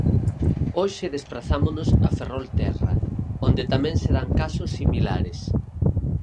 Hoxe desprazámonos a Ferrolterra, onde tamén se dan casos similares.